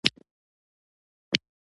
مقصد د مور د مقام او حقونو پېژندل دي.